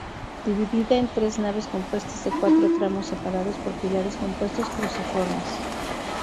Dividida en tres naves compuestas de cuatro tramos separados por pilares compuestos cruciformes.